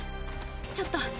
ちょっと。